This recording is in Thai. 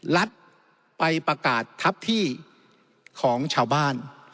รัฐไปประกาศทัพที่ของชาวบ้าน